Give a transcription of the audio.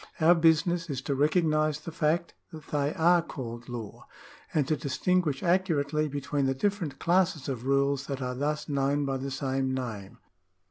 Our business is to recognise the fact that they are called law, and to distinguish accurately between the different classes of rules that are thus known by the same name.